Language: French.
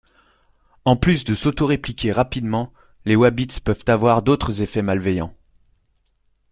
En plus de s'autorépliquer rapidement, les wabbits peuvent avoir d'autres effets malveillants.